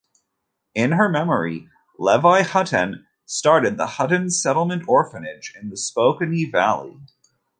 In her memory, Levi Hutton started the Hutton Settlement orphanage in the Spokane Valley.